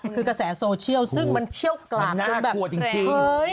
คือกระแสโซเชียลซึ่งมันเชี่ยวกลางจนแบบจริง